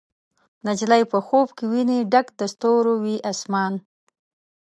نجلۍ په خوب کې ویني ډک د ستورو، وي اسمان